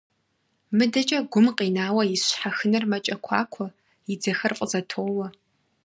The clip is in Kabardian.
МыдэкӀэ гум къинауэ ис щхьэхынэр мэкӀэкуакуэ, и дзэхэр фӀызэтоуэ.